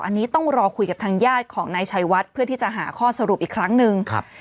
อันนี้ต้องรอคุยกับทางญาติของนายชัยวัดเพื่อที่จะหาข้อสรุปอีกครั้งหนึ่งครับ